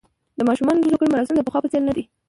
د ماشومانو د زوکړې مراسم د پخوا په څېر نه دي.